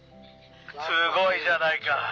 「すごいじゃないか！」。